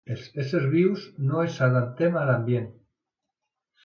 Els éssers vius no ens adaptem a l'ambient.